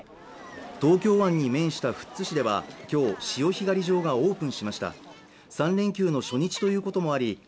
東京湾に面した富津市では今日潮干狩り場がオープンしました３連休の初日ということもあり